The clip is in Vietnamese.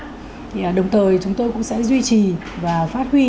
thì đồng thời chúng tôi cũng sẽ duy trì và phát huy